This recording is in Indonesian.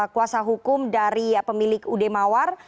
kuasa hukum dari pemilik ud mawar